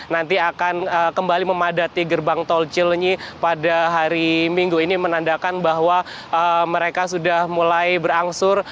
nanti akan kembali memadati gerbang tol cilenyi pada hari minggu ini menandakan bahwa mereka sudah mulai berangsur